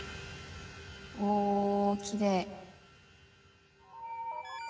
おおきれい。